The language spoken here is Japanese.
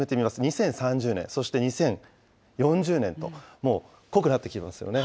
２０３０年、そして２０４０年と、もう濃くなってきていますよね。